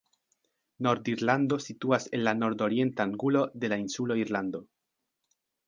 Nord-Irlando situas en la nord-orienta angulo de la insulo Irlando.